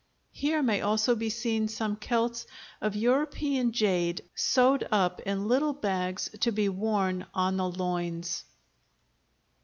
Here may also be seen some celts of European jade sewed up in little bags to be worn on the loins.